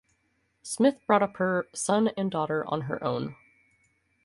Smith brought up her son and daughter on her own.